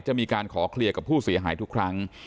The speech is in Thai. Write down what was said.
จะมีการขอเคลียร์กับผู้เสียหายทุกครั้ง